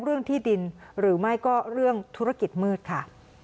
เรื่องที่ดินหรือไม่ก็เรื่องธุรกิจมืดค่ะ